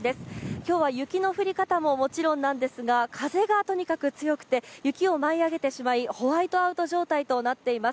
きょうは雪の降り方ももちろんなんですが、風がとにかく強くて、雪を舞い上げてしまい、ホワイトアウト状態となっています。